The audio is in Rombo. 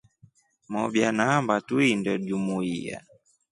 Mobya naamba tuinde jumuiya.